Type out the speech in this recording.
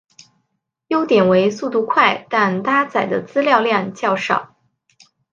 优点为速度快但搭载的资料量较少。